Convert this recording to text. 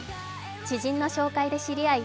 知人の紹介で知り合い